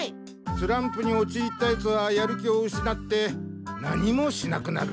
スランプにおちいったヤツはやる気をうしなって何もしなくなる。